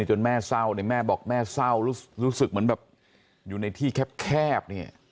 จนแม่เศร้าเนี่ยแม่บอกแม่เศร้ารู้สึกเหมือนแบบอยู่ในที่แคบเนี่ย